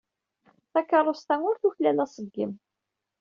Takeṛṛust-a ur tuklal aṣeggem.